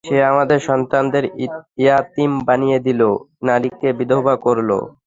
সে আমাদের সন্তানদেরকে ইয়াতীম বানিয়ে দিল, নারীদেরকে বিধবা করল।